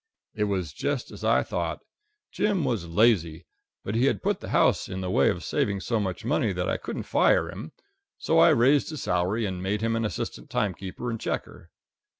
It was just as I thought. Jim was lazy, but he had put the house in the way of saving so much money that I couldn't fire him. So I raised his salary, and made him an assistant timekeeper and checker.